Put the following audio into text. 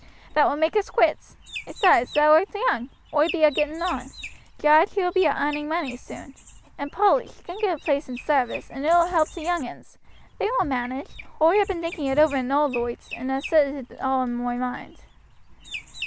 That will make us quits. Besides, thou art young; oi be a getting on. Jarge, he will be a arning money soon; and Polly, she can get a place in sarvice, and 'ul help t' young uns. They will manage. Oi ha' been thinking it over in all loites, and ha' settled it all in moi moind."